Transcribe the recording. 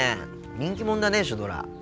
人気者だねシュドラ。